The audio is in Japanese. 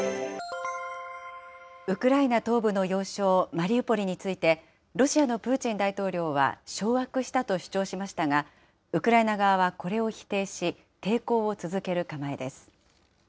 ウクライナ東部の要衝マリウポリについて、ロシアのプーチン大統領は掌握したと主張しましたが、ウクライナ側はこれを否定し、抵抗を続ける構えです。